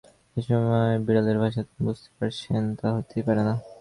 এই সময় বিড়ালের ভাষা তিনি বুঝতে পারছেন, তা হতেই পারে না।